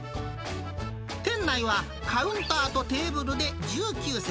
店内はカウンターとテーブルで１９席。